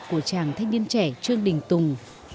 của chàng thanh niên trẻ trương đình tùng